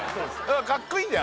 かっこいいんだよ